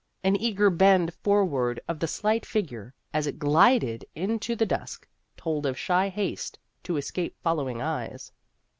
An eager bend forward of the slight figure, as it glided into the dusk, told of shy haste to escape follow ing eyes.